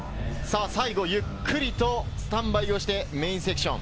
最後、ゆっくりとスタンバイをして、メインセクション。